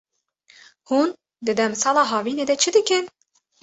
Hûn di demsala havinê de çi dikin?